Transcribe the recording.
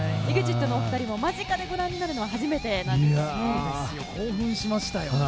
ＥＸＩＴのお二人も間近でご覧になるのは初めてなんですよね。